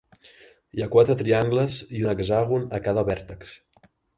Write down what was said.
Hi ha quatre triangles i un hexàgon a cada vèrtex.